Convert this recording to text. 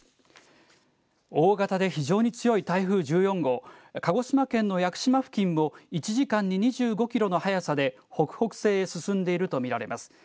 大型で非常に強い台風１４号、鹿児島県の屋久島付近を１時間に２５キロの速さで、北北西へ進んでいると見られます。